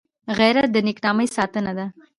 غیرت د نېک نامۍ ساتنه ده